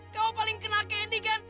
kamu paling kenal candy kan